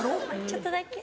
ちょっとだけ。